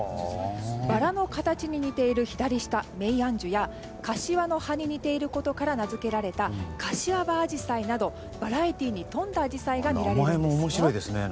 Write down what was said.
バラの形に似ているメイアンジュやカシワの葉に似ていることから名づけられたカシワバアジサイなどバラエティーに富んだアジサイが見られますよ。